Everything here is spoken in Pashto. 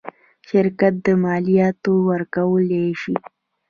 شرکت مالیات ورکولی شي.